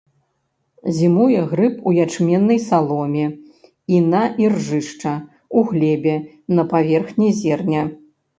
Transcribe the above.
Зімуе грыб у ячменнай саломе і на іржышча, у глебе, на паверхні зерня.